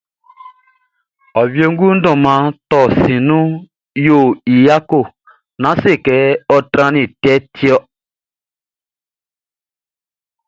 Ô Wiégoun Mʼdôman Torh Siʼn nouh, yo y yako...Nan sékê, wa tranman pka tiorh.